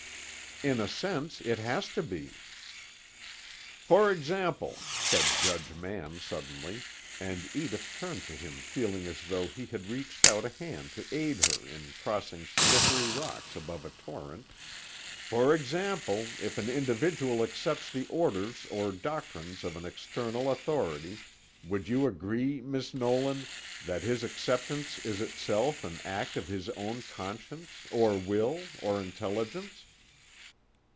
"In a sense it has to be." "For example," said Judge Mann suddenly, and Edith turned to him feeling as though he had reached out a hand to aid her in crossing slippery rocks above a torrent "for example, if an individual accepts the orders or doctrines of an external authority, would you agree, Miss Nolan, that his acceptance is itself an act of his own conscience, or will, or intelligence?"